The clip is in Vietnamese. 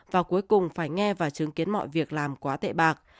và cuối cùng phải nghe và chứng kiến mọi việc làm quá tệ bạc